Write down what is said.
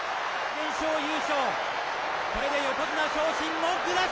全勝優勝、これで横綱昇進文句なし。